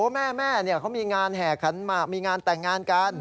แม่เขามีงานแห่ขันหมากมีงานแต่งงานกัน